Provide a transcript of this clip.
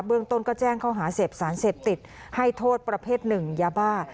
เรื่องต้นก็แจ้งข้อหาเสพสารเสพติดให้โทษประเภทหนึ่งยาบ้า